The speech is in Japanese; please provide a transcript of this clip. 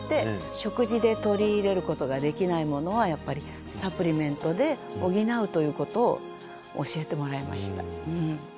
食事で摂り入れることができないものはやっぱりサプリメントで補うということを教えてもらいました。